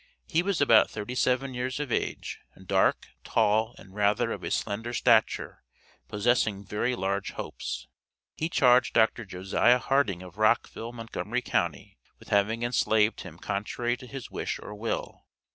He was about thirty seven years of age, dark, tall, and rather of a slender stature, possessing very large hopes. He charged Dr. Josiah Harding of Rockville, Montgomery county, with having enslaved him contrary to his wish or will.